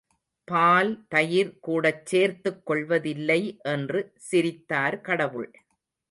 பால், தயிர் கூடச் சேர்த்துக் கொள்வதில்லை என்று சிரித்தார் கடவுள்.